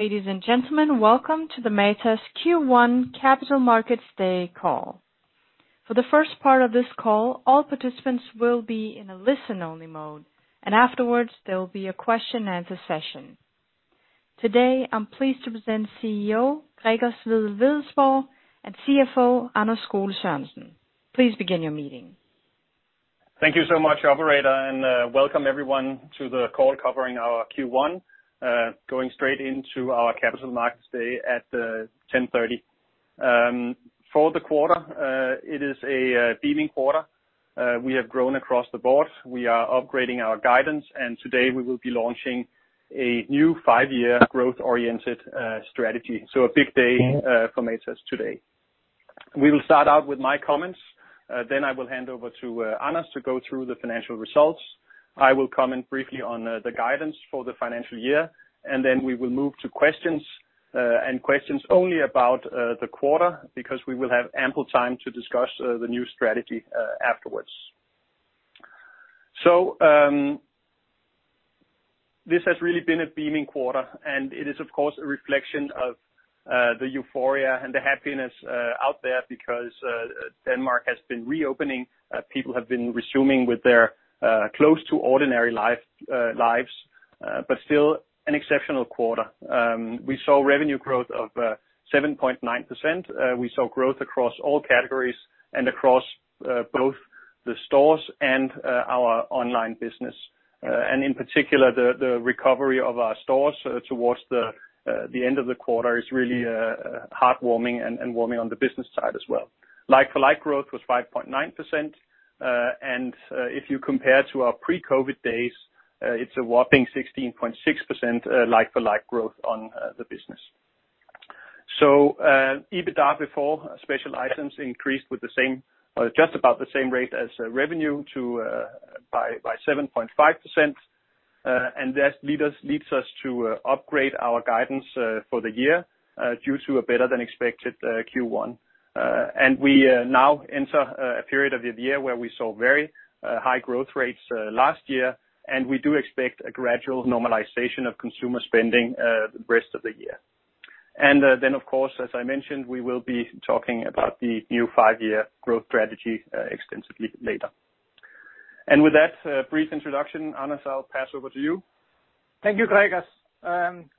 Ladies and gentlemen, welcome to the Matas Q1 Capital Markets Day call. For the first part of this call, all participants will be in a listen-only mode, and afterwards, there will be a question and answer session. Today, I'm pleased to present CEO, Gregers Wedell-Wedellsborg and CFO, Anders Skole-Sørensen. Please begin your meeting. Thank you so much, operator, and welcome everyone to the call covering our Q1, going straight into our Capital Markets Day at 10:30. For the quarter, it is a beaming quarter. We have grown across the board. We are upgrading our guidance, and today we will be launching a new five-year growth-oriented strategy. A big day for Matas today. We will start out with my comments, then I will hand over to Anders to go through the financial results. I will comment briefly on the guidance for the financial year, and then we will move to questions, and questions only about the quarter, because we will have ample time to discuss the new strategy afterwards. This has really been a beaming quarter, and it is, of course, a reflection of the euphoria and the happiness out there because Denmark has been reopening. People have been resuming with their close to ordinary lives, still an exceptional quarter. We saw revenue growth of 7.9%. We saw growth across all categories and across both the stores and our online business. In particular, the recovery of our stores towards the end of the quarter is really heartwarming and warming on the business side as well. Like-for-like growth was 5.9%, and if you compare to our pre-COVID-19 days, it's a whopping 16.6% like-for-like growth on the business. EBITDA before special items increased with just about the same rate as revenue to by 7.5%, and that leads us to upgrade our guidance for the year due to a better than expected Q1. We now enter a period of the year where we saw very high growth rates last year, and we do expect a gradual normalization of consumer spending the rest of the year. Then, of course, as I mentioned, we will be talking about the new five-year growth strategy extensively later. With that brief introduction, Anders, I'll pass over to you. Thank you, Gregers.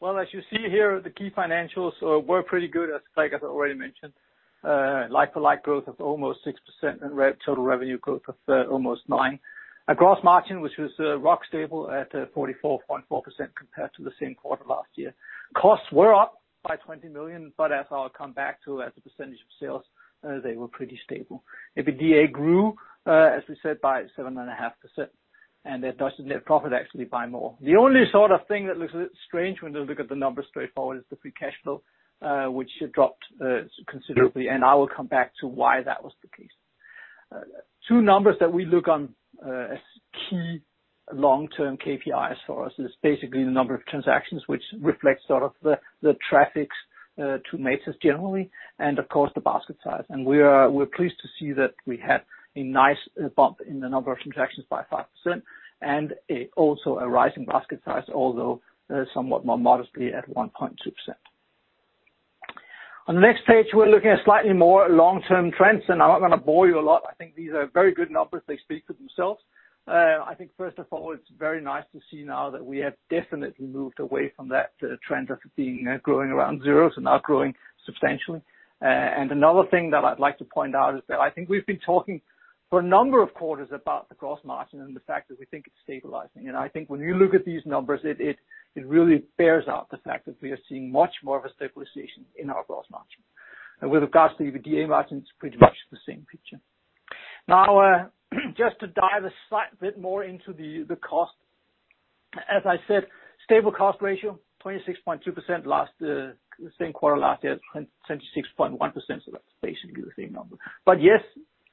Well, as you see here, the key financials were pretty good, as Gregers already mentioned. Like-for-like growth of almost 6% and total revenue growth of almost 9%. Our gross margin, which was rock stable at 44.4% compared to the same quarter last year. Costs were up by 20 million, but as I'll come back to, as a percentage of sales, they were pretty stable. EBITDA grew, as we said, by 7.5%, and net profit actually by more. The only sort of thing that looks a bit strange when you look at the numbers straightforward is the free cash flow, which dropped considerably, and I will come back to why that was the case. Two numbers that we look on as key long-term KPIs for us is basically the number of transactions which reflects sort of the traffics to Matas generally, and of course, the basket size. We're pleased to see that we had a nice bump in the number of transactions by 5% and also a rise in basket size, although somewhat more modestly at 1.2%. On the next page, we're looking at slightly more long-term trends, and I'm not going to bore you a lot. I think these are very good numbers. They speak for themselves. I think first of all, it's very nice to see now that we have definitely moved away from that trend of growing around zero to now growing substantially. Another thing that I'd like to point out is that I think we've been talking for a number of quarters about the gross margin and the fact that we think it's stabilizing. I think when you look at these numbers, it really bears out the fact that we are seeing much more of a stabilization in our gross margin. With regards to the EBITDA margin, it's pretty much the same picture. Now, just to dive a slight bit more into the cost. As I said, stable cost ratio, 26.2% the same quarter last year at 26.1%, so that's basically the same number. Yes,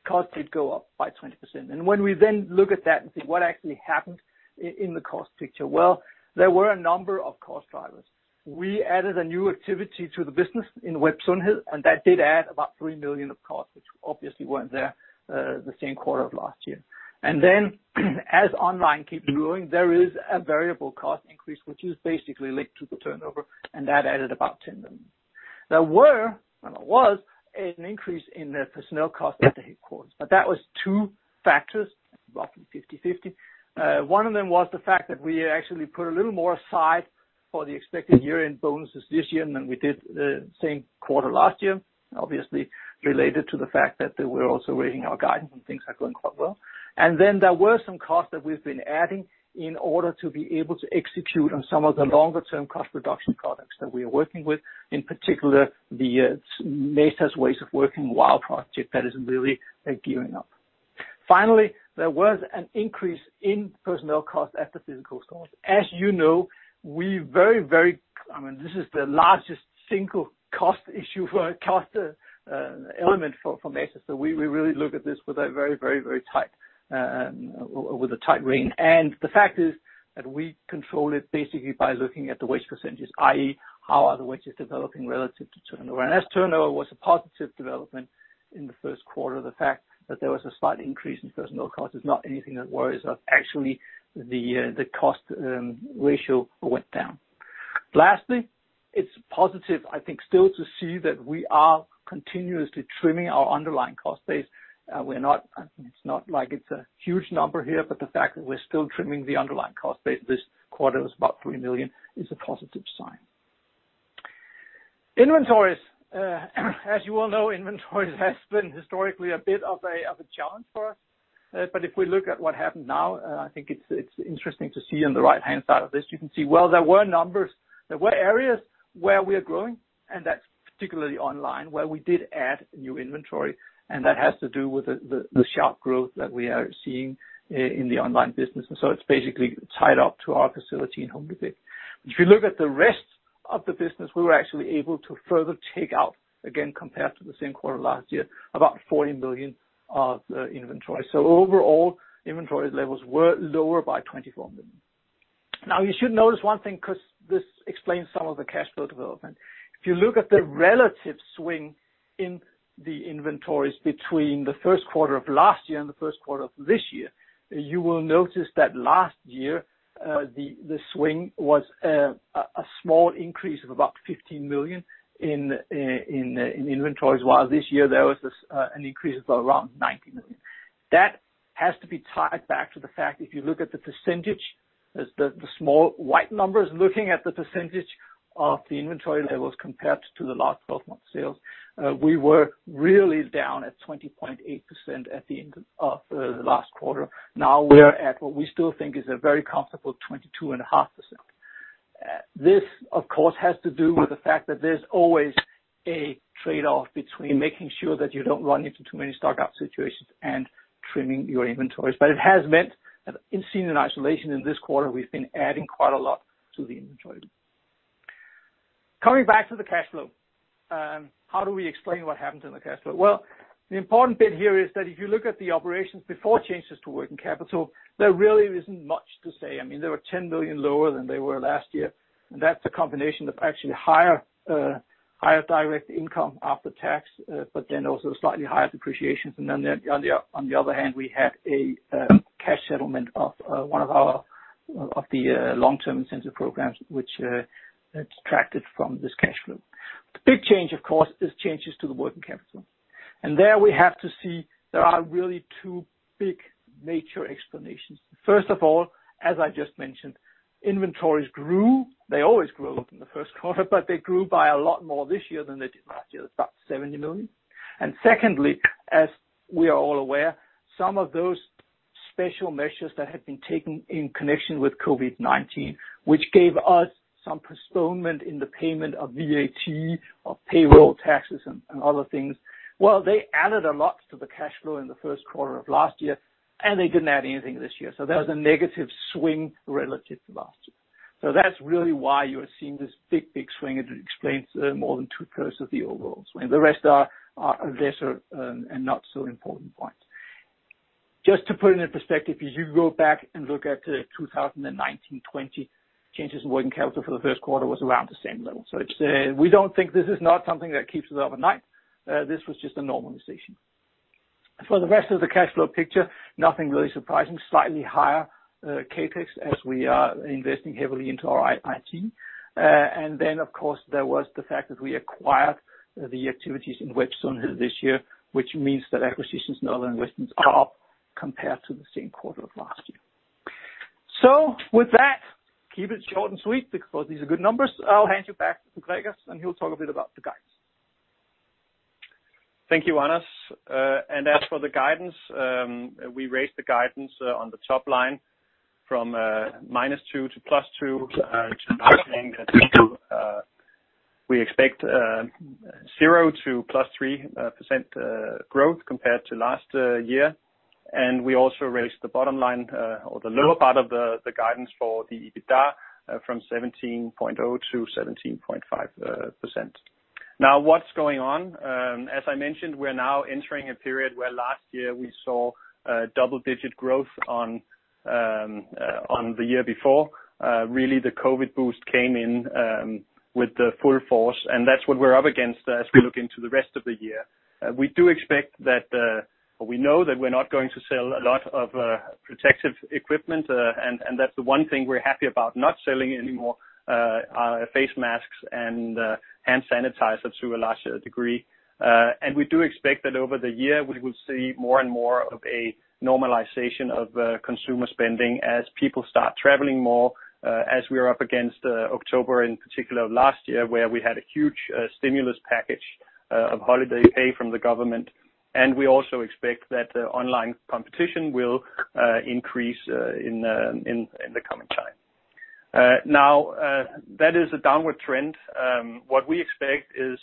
costs did go up by 20%. When we then look at that and think what actually happened in the cost picture, well, there were a number of cost drivers. We added a new activity to the business in Web Sundhed, and that did add about 3 million of costs, which obviously weren't there the same quarter of last year. As online keeps growing, there is a variable cost increase, which is basically linked to the turnover, and that added about 10 million. There was an increase in the personnel cost at the headquarters, but that was two factors, roughly 50/50. One of them was the fact that we actually put a little more aside for the expected year-end bonuses this year than we did the same quarter last year, obviously related to the fact that we're also raising our guidance and things are going quite well. There were some costs that we've been adding in order to be able to execute on some of the longer-term cost reduction products that we are working with, in particular, the Matas Ways of Working WOW project that is really gearing up. Finally, there was an increase in personnel costs at the physical stores. As you know, this is the largest single cost issue for a cost element for Matas. We really look at this with a tight rein. The fact is that we control it basically by looking at the wage percentages, i.e., how are the wages developing relative to turnover? As turnover was a positive development in the first quarter, the fact that there was a slight increase in personnel costs is not anything that worries us. Actually, the cost ratio went down. Lastly, it's positive, I think, still to see that we are continuously trimming our underlying cost base. It's not like it's a huge number here, but the fact that we're still trimming the underlying cost base this quarter is about 3 million is a positive sign. Inventories. As you all know, inventories has been historically a bit of a challenge for us. If we look at what happened now, I think it's interesting to see on the right-hand side of this, you can see, well, there were numbers. There were areas where we are growing, and that's particularly online, where we did add new inventory, and that has to do with the sharp growth that we are seeing in the online business. It's basically tied up to our facility in Humlebæk. If you look at the rest of the business, we were actually able to further take out, again, compared to the same quarter last year, about 40 million of inventory. Overall, inventory levels were lower by 24 million. You should notice one thing because this explains some of the cash flow development. If you look at the relative swing in the inventories between the first quarter of last year and the first quarter of this year, you will notice that last year, the swing was a small increase of about 15 million in inventories, while this year there was an increase of around 90 million. That has to be tied back to the fact, if you look at the percentage, the small white numbers, looking at the percentage of the inventory levels compared to the last twelve months sales, we were really down at 20.8% at the end of the last quarter. Now we're at what we still think is a very comfortable 22.5%. This, of course, has to do with the fact that there's always a trade-off between making sure that you don't run into too many stock out situations and trimming your inventories. It has meant that seen in isolation in this quarter, we've been adding quite a lot to the inventory. Coming back to the cash flow, how do we explain what happened in the cash flow? Well, the important bit here is that if you look at the operations before changes to working capital, there really isn't much to say. I mean, they were 10 million lower than they were last year, and that's a combination of actually higher direct income after tax, but then also slightly higher depreciation. Then on the other hand, we had a cash settlement of one of the long-term incentive programs which detracted from this cash flow. The big change, of course, is changes to the working capital. There we have to see there are really two big major explanations. First of all, as I just mentioned, inventories grew. They always grow in the first quarter. They grew by a lot more this year than they did last year, about 70 million. Secondly, as we are all aware, some of those special measures that had been taken in connection with COVID-19, which gave us some postponement in the payment of VAT, of payroll taxes, and other things. Well, they added a lot to the cash flow in the first quarter of last year. They didn't add anything this year. There was a negative swing relative to last year. That's really why you are seeing this big, big swing. It explains more than two-thirds of the overall swing. The rest are lesser and not so important points. Just to put it in perspective, if you go back and look at 2019, 2020, changes in working capital for the first quarter was around the same level. We don't think this is not something that keeps you up at night. This was just a normalization. For the rest of the cash flow picture, nothing really surprising. Slightly higher CapEx as we are investing heavily into our IT. Of course, there was the fact that we acquired the activities in Web Sundhed this year, which means that acquisitions and other investments are up compared to the same quarter of last year. With that, keep it short and sweet because these are good numbers. I'll hand you back to Gregers, and he'll talk a bit about the guidance. Thank you, Anders. As for the guidance, we raised the guidance on the top line from -2% to +2%. We expect 0% to +3% growth compared to last year. We also raised the bottom line or the lower part of the guidance for the EBITDA from 17.0% to 17.5%. Now what's going on? As I mentioned, we're now entering a period where last year we saw double-digit growth on the year before. Really the COVID-19 boost came in with the full force, and that's what we're up against as we look into the rest of the year. We know that we're not going to sell a lot of protective equipment, and that's the one thing we're happy about not selling anymore, face masks and hand sanitizers to a large degree. We do expect that over the year, we will see more and more of a normalization of consumer spending as people start traveling more, as we are up against October in particular of last year, where we had a huge stimulus package of holiday pay from the government. We also expect that online competition will increase in the coming time. Now, that is a downward trend. What we expect is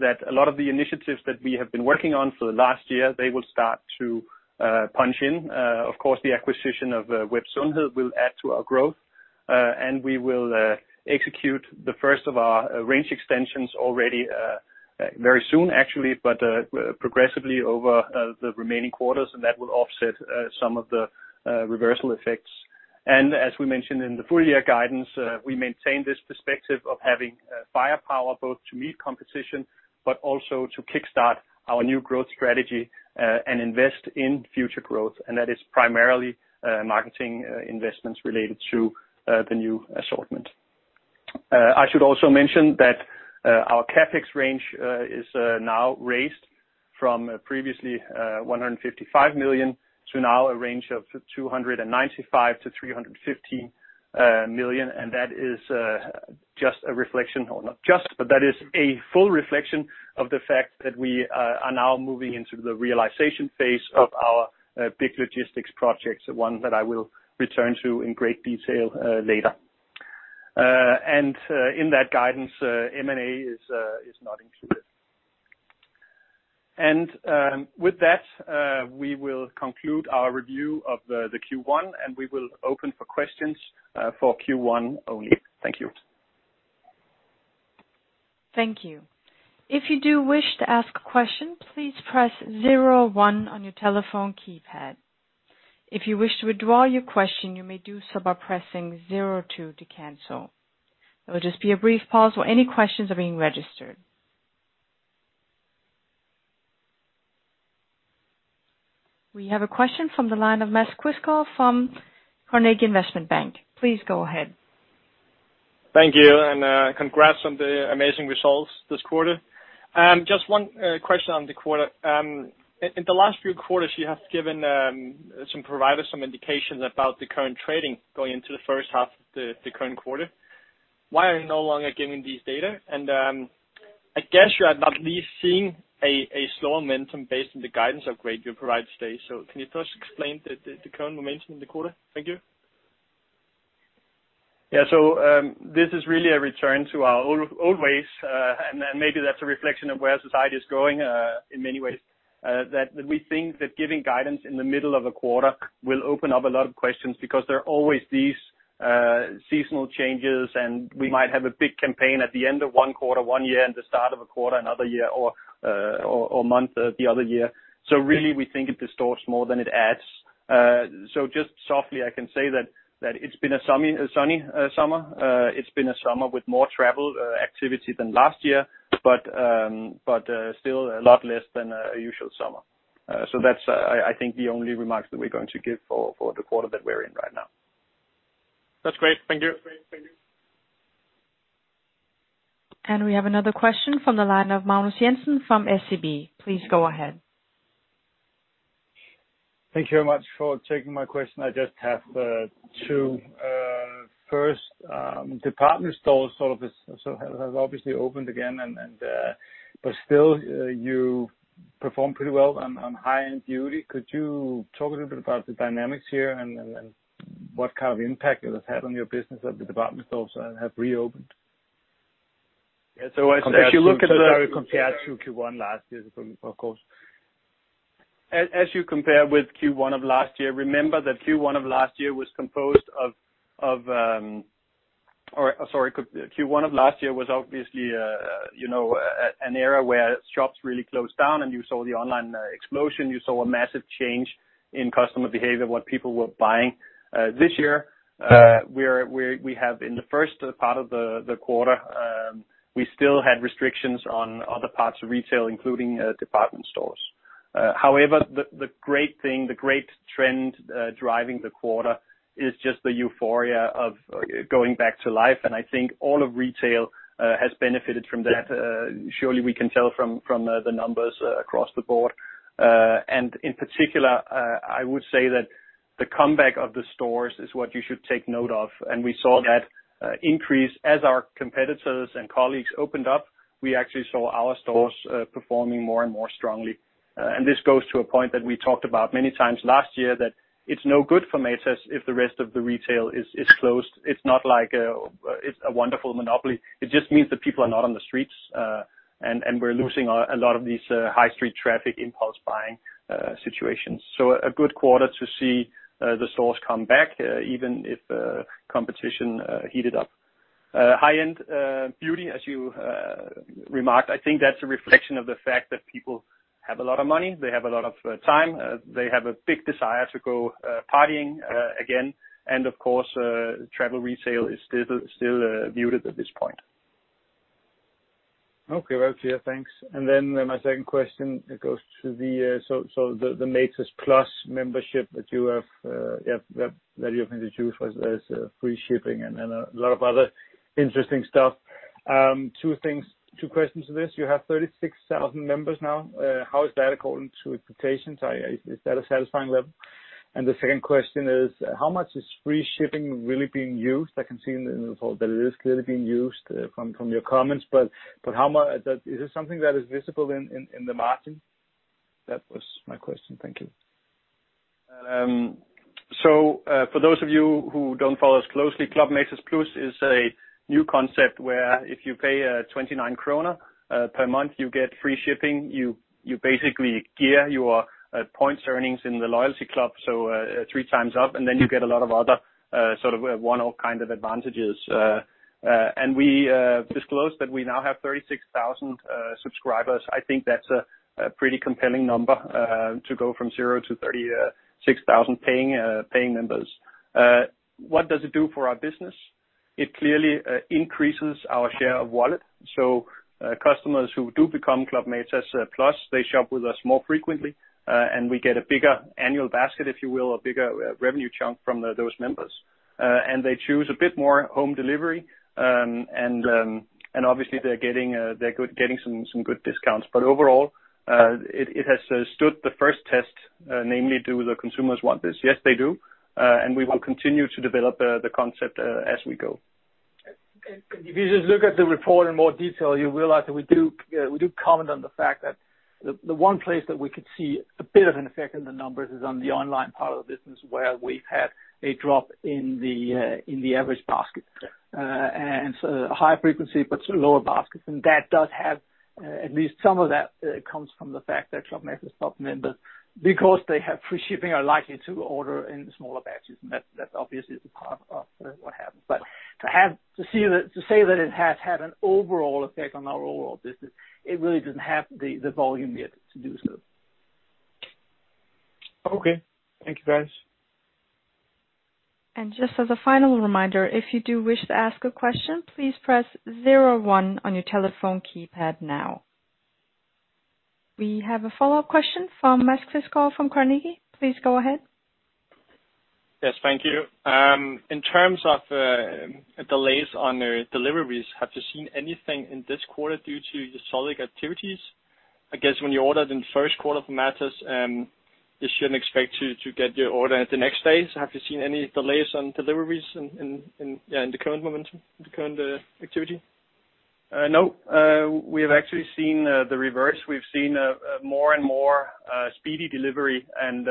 that a lot of the initiatives that we have been working on for the last year, they will start to punch in. Of course, the acquisition of Web Sundhed will add to our growth. We will execute the first of our range extensions already very soon actually, but progressively over the remaining quarters, and that will offset some of the reversal effects. As we mentioned in the full year guidance, we maintain this perspective of having firepower both to meet competition, but also to kickstart our new growth strategy and invest in future growth. That is primarily marketing investments related to the new assortment. I should also mention that our CapEx range is now raised from previously 155 million to now a range of 295 million-315 million. That is a full reflection of the fact that we are now moving into the realization phase of our big logistics projects, one that I will return to in great detail later. In that guidance, M&A is not included. With that, we will conclude our review of the Q1, and we will open for questions for Q1 only. Thank you. Thank you. If you do wish to ask a question, please press zero, one on your telephone keypad. If you wish to withdraw your question, you may do by pressing zero, two to cancel. There will just be a brief pause while any questions are being registered. We have a question from the line of Mads Quistgaard from Carnegie Investment Bank. Please go ahead. Thank you, and congrats on the amazing results this quarter. Just one question on the quarter. In the last few quarters, you have provided some indications about the current trading going into the first half of the current quarter. Why are you no longer giving these data? I guess you are at least seeing a slow momentum based on the guidance upgrade you provide today. Can you first explain the current momentum in the quarter? Thank you. Yeah. This is really a return to our old ways, and maybe that's a reflection of where society is going in many ways, that we think that giving guidance in the middle of a quarter will open up a lot of questions because there are always these seasonal changes, and we might have a big campaign at the end of 1 quarter, 1 year and the start of a quarter another year, or month the other year. Really, we think it distorts more than it adds. Just softly, I can say that it's been a sunny summer. It's been a summer with more travel activity than last year, but still a lot less than a usual summer. That's, I think, the only remarks that we're going to give for the quarter that we're in right now. That's great. Thank you. We have another question from the line of Magnus Jensen from SEB. Please go ahead. Thank you very much for taking my question. I just have two. First, department stores have obviously opened again, but still, you perform pretty well on high-end beauty. Could you talk a little bit about the dynamics here and then what kind of impact it has had on your business that the department stores have reopened? Yeah. Compared to Q1 last year, of course. As you compare with Q1 of last year, remember that Q1 of last year was obviously an era where shops really closed down, and you saw the online explosion. You saw a massive change in customer behavior, what people were buying. This year, we have in the first part of the quarter, we still had restrictions on other parts of retail, including department stores. However, the great thing, the great trend driving the quarter is just the euphoria of going back to life, and I think all of retail has benefited from that. Surely, we can tell from the numbers across the board. In particular, I would say that the comeback of the stores is what you should take note of. We saw that increase as our competitors and colleagues opened up, we actually saw our stores performing more and more strongly. This goes to a point that we talked about many times last year, that it's no good for Matas if the rest of the retail is closed. It's not like it's a wonderful monopoly. It just means that people are not on the streets, and we're losing a lot of these high street traffic impulse buying situations. A good quarter to see the stores come back, even if competition heated up. High-end beauty, as you remarked, I think that's a reflection of the fact that people have a lot of money, they have a lot of time, they have a big desire to go partying again. Of course, travel retail is still muted at this point. Okay. Well, yeah, thanks. My second question goes to the Matas Plus membership that you have introduced with free shipping and a lot of other interesting stuff. Two questions to this. You have 36,000 members now. How is that according to expectations? Is that a satisfying level? The second question is, how much is free shipping really being used? I can see in the report that it is clearly being used from your comments, but is it something that is visible in the margin? That was my question. Thank you. For those of you who don't follow us closely, Club Matas Plus is a new concept where if you pay 29 krone per month, you get free shipping. You basically gear your points earnings in the loyalty club, three times up, you get a lot of other sort of one-off kind of advantages. We disclosed that we now have 36,000 subscribers. I think that's a pretty compelling number to go from zero to 36,000 paying members. What does it do for our business? It clearly increases our share of wallet. Customers who do become Club Matas Plus, they shop with us more frequently, we get a bigger annual basket, if you will, a bigger revenue chunk from those members. They choose a bit more home delivery, obviously they're getting some good discounts. Overall, it has stood the first test, namely, do the consumers want this? Yes, they do. We will continue to develop the concept as we go. If you just look at the report in more detail, you realize that we do comment on the fact that the one place that we could see a bit of an effect in the numbers is on the online part of the business, where we've had a drop in the average basket. Yeah. A high frequency, but lower baskets. At least some of that comes from the fact that Club Matas members, because they have free shipping, are likely to order in smaller batches, and that obviously is a part of what happens. To say that it has had an overall effect on our overall business, it really doesn't have the volume yet to do so. Okay. Thank you, guys. Just as a final reminder, if you do wish to ask a question, please press zero, one on your telephone keypad now. We have a follow-up question from Mads Quistgaard from Carnegie. Please go ahead. Yes, thank you. In terms of delays on deliveries, have you seen anything in this quarter due to the solid activities? I guess when you ordered in first quarter for Matas, you shouldn't expect to get your order the next day. Have you seen any delays on deliveries in the current momentum, the current activity? No. We have actually seen the reverse. We've seen more and more speedy delivery and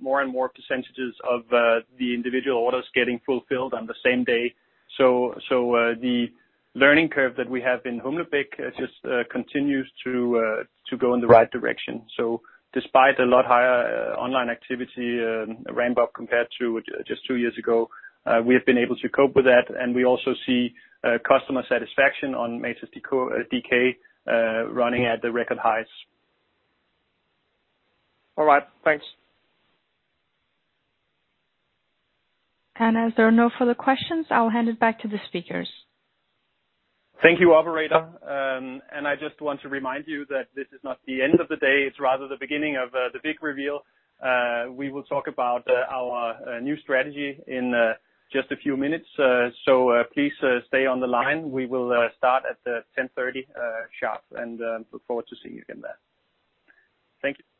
more and more percentages of the individual orders getting fulfilled on the same day. The learning curve that we have in Humlebæk just continues to go in the right direction. Despite a lot higher online activity in Rainbird compared to just two years ago, we have been able to cope with that, and we also see customer satisfaction on matas.dk running at the record highs. All right. Thanks. As there are no further questions, I'll hand it back to the speakers. Thank you, operator. I just want to remind you that this is not the end of the day. It's rather the beginning of the big reveal. We will talk about our new strategy in just a few minutes, so please stay on the line. We will start at 10:30 sharp, and look forward to seeing you again then. Thank you.